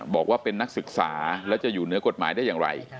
บอกว่าเป็นนักศึกษาแล้วจะอยู่เหนือกฎหมายได้อย่างไร